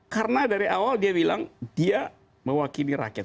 karena dari awal dia bilang dia mewakili rakyat